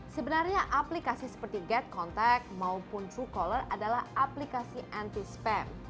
sebenarnya aplikasi seperti getcontact maupun truecaller adalah aplikasi anti spam